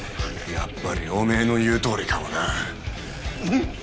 やっぱりおめえの言うとおりかもな。